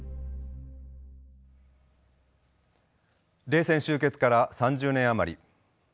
冷戦終結から３０年余り。